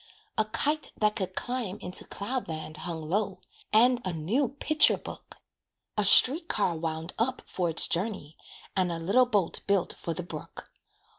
A kite that could climb into cloud land Hung low, and a new picture book; A street car "wound up" for its journey, And a little boat built for the brook.